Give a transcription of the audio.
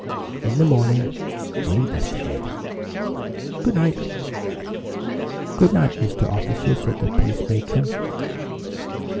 In the morning we'll investigate. Good night." "Good night, Mr. Officer," said the police matron.